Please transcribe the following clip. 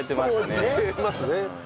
似てますね。